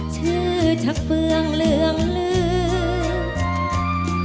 ชื่อชักเฟืองเหลืองลืม